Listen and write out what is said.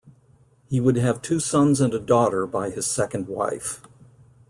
He would have two sons and a daughter by his second wife.